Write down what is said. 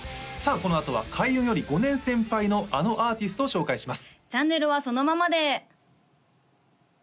このあとは開運より５年先輩のあのアーティストを紹介します